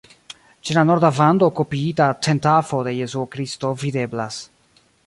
Ĉe la norda vando kopiita centafo de Jesuo Kristo videblas.